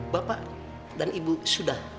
bapak dan ibu sudah